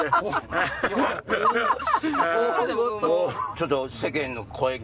ちょっと世間の声。